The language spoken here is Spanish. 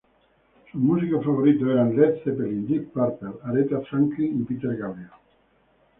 Sus músicos favoritos eran Led Zeppelin, Deep Purple, Aretha Franklin y Peter Gabriel.